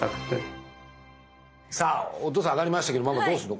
さあお父さんあがりましたけどママどうするの？